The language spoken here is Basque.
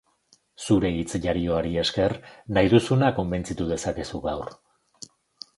Zure hitz jarioari esker, nahi duzuna konbentzitu dezakezu gaur.